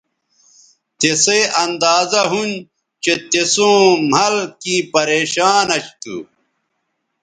تسئ اندازہ ھُون چہء تِسوں مھل کیں پریشان اش تھو